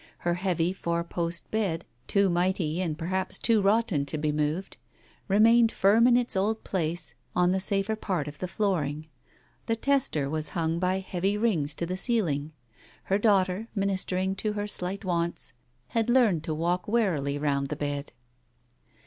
Her heavy four post bed, too mighty and perhaps too rotten to be moved, remained firm in its old place on the safer part of the flooring; the tester was hung by heavy rings to the ceiling. Her daughter, ministering to her slight wants, had learned to walk warily round the bed.